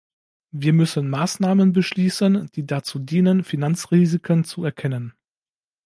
Wir müssen Maßnahmen beschließen, die dazu dienen, Finanzrisiken zu erkennen.